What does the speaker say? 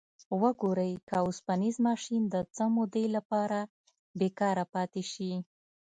وګورئ که اوسپنیز ماشین د څه مودې لپاره بیکاره پاتې شي.